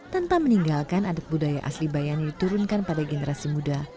tanpa meninggalkan adat budaya asli bayan yang diturunkan pada generasi muda